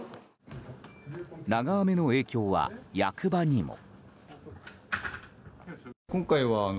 長雨の影響は役場にも。